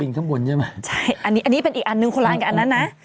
ข้างบนใช่ไหมใช่อันนี้อันนี้เป็นอีกอันนึงคนละอันกับอันนั้นนะ